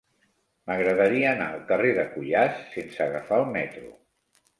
M'agradaria anar al carrer de Cuyàs sense agafar el metro.